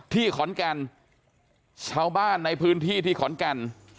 ที่ขอนแก่นชาวบ้านในพื้นที่ที่ขอนแก่น